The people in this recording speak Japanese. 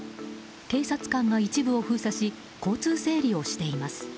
警察官が一部を封鎖し交通整理をしています。